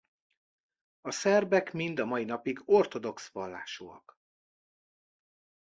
A szerbek mind mai napig ortodox vallásúak.